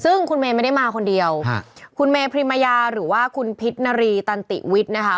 ซึ่งคุณเมย์ไม่ได้มาคนเดียวคุณเมพรีมายาหรือว่าคุณพิษนารีตันติวิทย์นะคะ